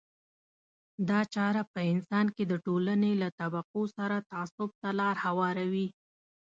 دا چاره په انسان کې د ټولنې له طبقو سره تعصب ته لار هواروي.